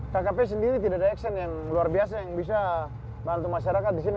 kkp sendiri tidak ada action yang luar biasa yang bisa bantu masyarakat di sini